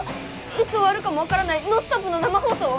いつ終わるかもわからないノンストップの生放送を！？